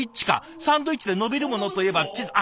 サンドイッチで伸びるものといえばチーズ。